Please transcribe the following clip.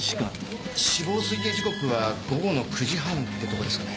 死亡推定時刻は午後の９時半ってとこですかね。